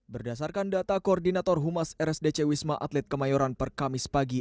berdasarkan data koordinator humas rsdc wisma atlet kemayoran per kamis pagi